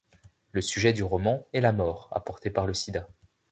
Le sujet du roman est la mort apportée par le sida.